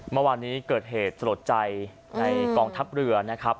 เมื่อวานนี้เกิดเหตุสลดใจในกองทัพเรือนะครับ